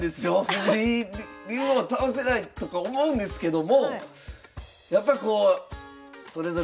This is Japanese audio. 藤井竜王倒せないとか思うんですけどもやっぱりこうそれぞれ皆さんの活躍